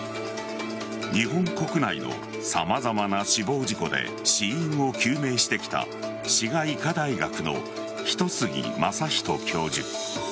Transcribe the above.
日本国内の様々な死亡事故で死因を究明してきた滋賀医科大学の一杉正仁教授。